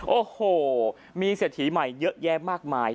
โอ้โหมีเศรษฐีใหม่เยอะแยะมากมาย